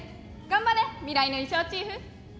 頑張れ未来の衣装チーフ。